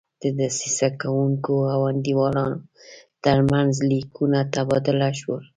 د دسیسه کوونکو او انډیوالانو ترمنځ لیکونه تبادله شول.